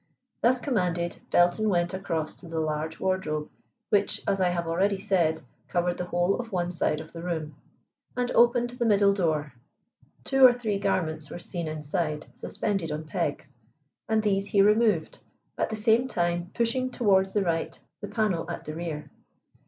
Thus commanded, Belton went across to the large wardrobe which, as I have already said, covered the whole of one side of the room, and opened the middle door. Two or three garments were seen inside suspended on pegs, and these he removed, at the same time pushing towards the right the panel at the rear.